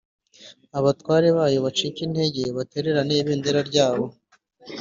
abatware bayo bacike intege, batererane ibendera ryabo.